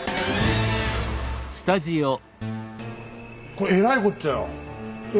これえらいこっちゃよ。